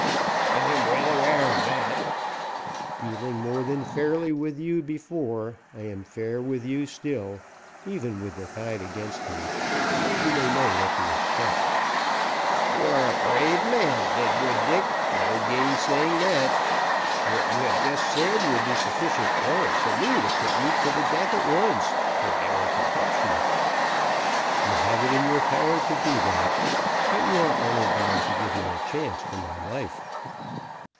"I am well aware of that." "Dealing more than fairly with you before, I am fair with you still, even with the tide against me, so you may know what to expect." "You are a brave man, Deadwood Dick, no gainsaying that. What you have just said would be sufficient warrant for me to put you to the death at once, for my own protection." "You have it in your power to do that, but you are honor bound to give me a chance for my life."